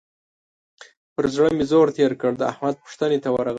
پر زړه مې زور تېر کړ؛ د احمد پوښتنې ته ورغلم.